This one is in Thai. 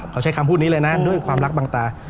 เขาใช้คำพูดนี้เลยนะด้วยความรักบางตา